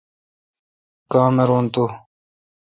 کاں مر تو۔